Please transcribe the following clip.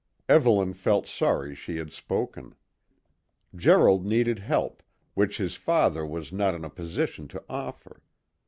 Evelyn felt sorry she had spoken. Gerald needed help, which his father was not in a position to offer.